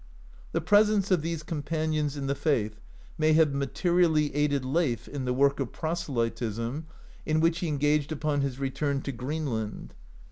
The presence of these companions in the faith may have materially aided Leif in the work of proselytism, in which he engaged upon his return to Greenland.